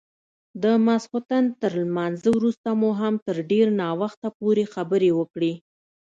د ماخستن تر لمانځه وروسته مو هم تر ډېر ناوخته پورې خبرې وکړې.